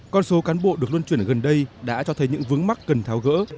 con số cán bộ được luân chuyển gần đây đã cho thấy những vướng mắt cần tháo gỡ